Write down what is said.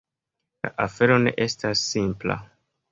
La afero ne estas simpla.